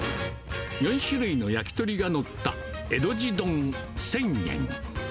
４種類の焼き鳥が載った江戸路丼１０００円。